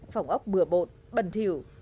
phòng ốc bừa bột bẩn thiểu